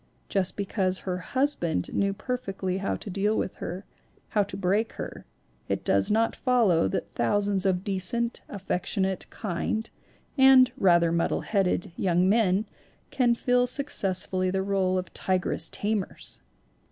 Just because her husband knew perfectly how to deal with her, how to break her, it does not follow that thousands of decent, affectionate, kind (and rather muddle headed) young men can fill successfully the role of tigress tamers!